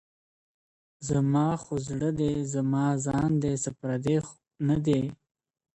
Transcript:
زما خو زړه دی زما ځان دی څه پردی نه دی~